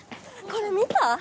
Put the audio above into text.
これ見た？